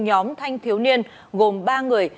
nhóm thanh thiếu niên gồm ba người